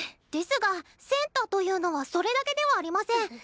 ですがセンターというのはそれだけではありません。